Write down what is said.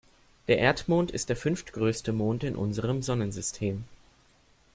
Der Erdmond ist der fünftgrößte Mond in unserem Sonnensystem.